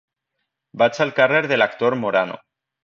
Vaig al carrer de l'Actor Morano.